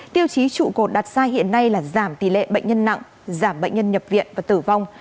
tiêu chí trụ cột đặt ra hiện nay là giảm tỷ lệ bệnh nhân nặng giảm bệnh nhân nhập viện và tử vong